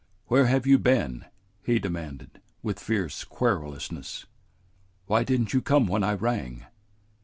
"Where have you been?" he demanded, with fierce querulousness. "Why did n't you come when I rang?"